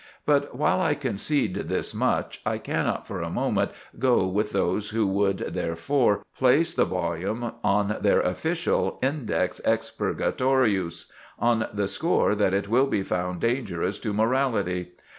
But while I concede this much, I cannot for a moment go with those who would, therefore, place the volume on their unofficial "Index Expurgatorius," on the score that it will be found dangerous to morality.